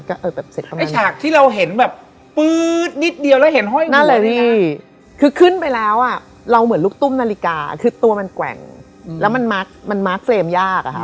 ก็ฉากที่เราเห็นแบบปื๊ดนิดเดียวแล้วเห็นห้อยนั่นแหละพี่คือขึ้นไปแล้วอ่ะเราเหมือนลูกตุ้มนาฬิกาคือตัวมันแกว่งแล้วมันมาร์คมันมาร์คเฟรมยากอะค่ะ